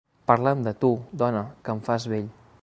Parla'm de tu, dona, que em fas vell.